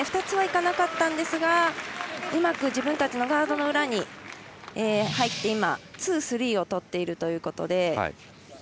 ２つはいかなかったんですがうまく自分たちのガードの裏に入って今、ツー、スリーを取っているということで。